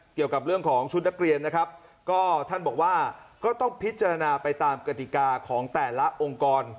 เกี่ยวกับเรื่องของชุดนักเรียนนะครับก็ท่านบอกว่าก็ต้องพิจารณาไปตามกติกาของแต่ละองค์กร